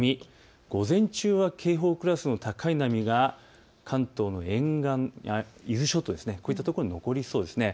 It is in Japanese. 午前中は警報クラスの高い波が関東の沿岸や伊豆諸島に残りそうです。